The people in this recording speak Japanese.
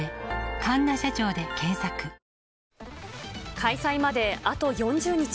開催まであと４０日。